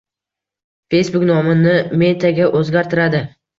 Facebook nomini Meta’ga o‘zgartiradi